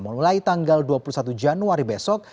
mulai tanggal dua puluh satu januari besok